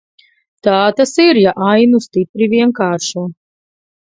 Tā tas ir, ja ainu stipri vienkāršo.